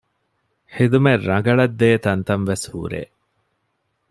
ޚިދުމަތް ރަނގަޅަށް ދޭ ތަންތަން ވެސް ހުރޭ